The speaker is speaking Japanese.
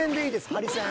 ハリセン